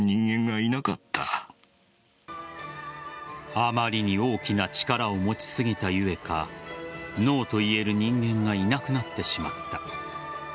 あまりに大きな力を持ちすぎた故かＮＯと言える人間がいなくなってしまった。